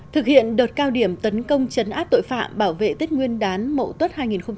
thực hiện đợt cao điểm tấn công chấn áp tội phạm bảo vệ tết nguyên đán mộ tuất hai nghìn một mươi tám